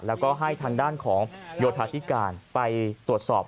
แล้วก็ให้ทางด้านของโยธาธิการไปตรวจสอบ